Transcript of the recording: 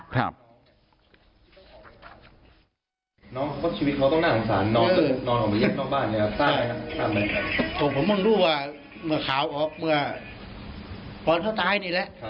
ก็เราได้ปัญหาวิทยาลักษณะ